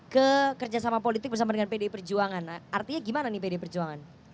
ke kerjasama politik bersama dengan pdi perjuangan artinya gimana nih pdi perjuangan